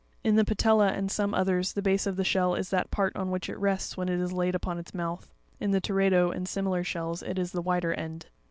In the Patella, and some others, the base of the shell is that part on which it rests when it is laid on its mouth; in the Teredo, and similar shells, it is the wider end.